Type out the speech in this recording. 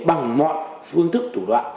bằng mọi phương thức thủ đoạn